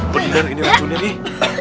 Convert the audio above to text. bener ini racunnya nih